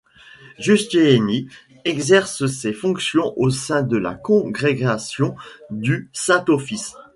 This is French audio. Giustiniani exerce des fonctions au sein de la Congrégation du Saint-Office.